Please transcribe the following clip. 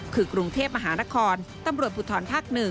คือกรุงเทพมหานครตำรวจภูทรภาค๑